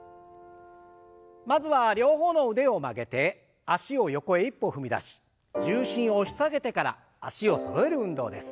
まずは両方の腕を曲げて脚を横へ一歩踏み出し重心を押し下げてから脚をそろえる運動です。